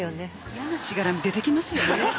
嫌なしがらみ出てきますよね。